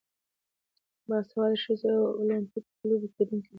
باسواده ښځې د اولمپیک په لوبو کې ګډون کوي.